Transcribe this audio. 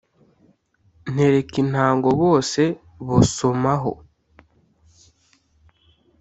Ntereka intango bose bosomaho